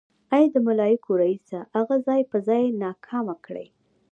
ای د ملايکو ريسه اغه ځای په ځای ناکامه کړې.